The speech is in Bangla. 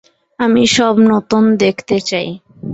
আমি সব নূতন দেখতে চাই।